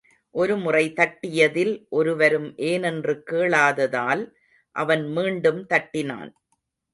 ஒரு முறை தட்டியதில் ஒருவரும் ஏனென்று கேளாததால், அவன் மீண்டும் தட்டினான்.